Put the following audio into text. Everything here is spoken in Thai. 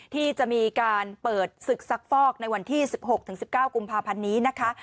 ที่จะมีการเปิดศึกซักฟอกในวันที่๑๖๑๙กุมภาพันธ์นี้นะคะ